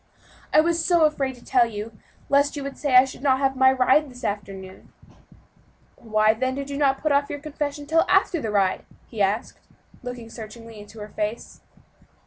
"I was so afraid to tell you, lest you would say I should not have my ride this afternoon." "Why, then, did you not put off your confession until after the ride?" he asked, looking searchingly into her face.